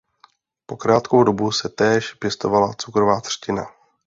Po krátkou dobu se též pěstovala cukrová třtina.